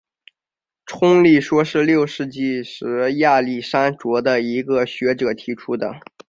冲力说是六世纪时亚历山卓的一个学者提出的。